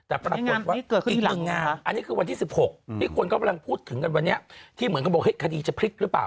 อันนี้คือวันที่๑๖ที่คนก็พูดถึงกันวันนี้ที่เหมือนกันบอกว่าคดีจะพลิกหรือเปล่า